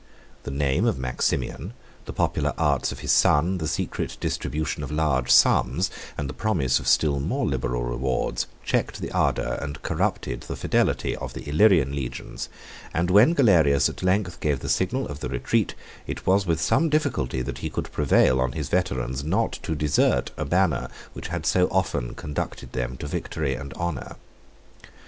The name of Maximian, the popular arts of his son, the secret distribution of large sums, and the promise of still more liberal rewards, checked the ardor and corrupted the fidelity of the Illyrian legions; and when Galerius at length gave the signal of the retreat, it was with some difficulty that he could prevail on his veterans not to desert a banner which had so often conducted them to victory and honor.